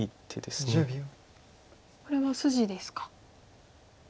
これは筋ですか。